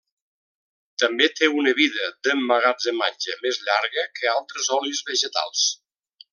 També té una vida d'emmagatzematge més llarga que altres olis vegetals.